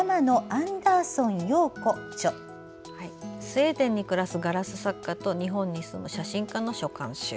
スウェーデンに暮らすガラス作家と日本に住む写真家の書簡集。